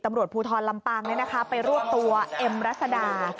ตำรวจภูทรลำปางไปรวบตัวเอ็มรัศดา